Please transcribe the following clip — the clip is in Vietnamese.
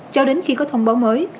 cho đến khi có thông báo mới